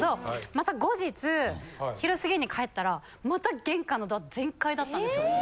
また後日昼過ぎに帰ったらまた玄関のドア全開だったんですよ。